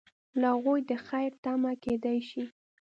له هغوی د خیر تمه کیدای شي.